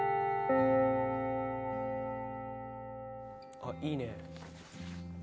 「あっいいね」